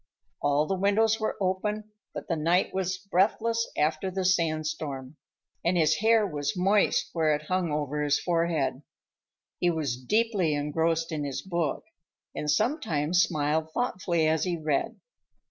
All the windows were open, but the night was breathless after the sandstorm, and his hair was moist where it hung over his forehead. He was deeply engrossed in his book and sometimes smiled thoughtfully as he read.